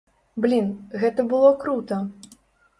Блін, гэта было крута.